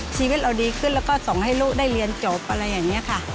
ชีวิตเราดีขึ้นแล้วก็ส่งให้ลูกได้เรียนจบอะไรอย่างนี้ค่ะ